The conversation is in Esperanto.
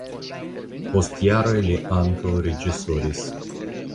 Post jaroj li ankaŭ reĝisoris.